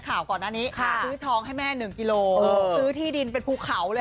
ข่าวก่อนหน้านี้ซื้อทองให้แม่๑กิโลซื้อที่ดินเป็นภูเขาเลย